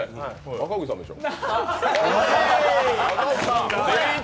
赤荻さんもでしょ。